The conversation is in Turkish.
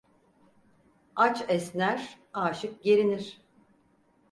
Aç esner, aşık gerinir.